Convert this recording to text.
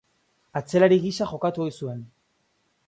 Atzelari gisa jokatu ohi zuen.